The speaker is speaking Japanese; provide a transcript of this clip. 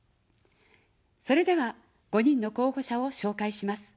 それでは、５人の候補者を紹介します。